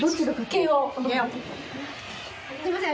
慶應すいません